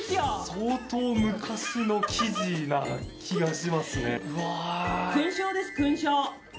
相当、昔の生地な気がしますね。